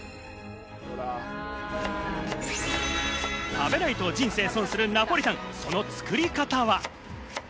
食べないと人生損するナポリタン、その作り方は？